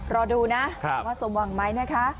รอดูนะความสมวังมั้ยนะคะ